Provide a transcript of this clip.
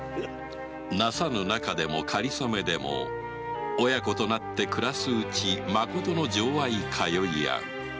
なさぬ仲でもかりそめでも親子となって暮らすうち誠の情愛かよい合う。